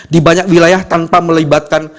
di banyak wilayah tanpa melibatkan